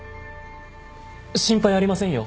心配ありませんよ。